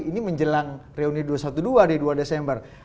ini menjelang reuni dua ratus dua belas di dua desember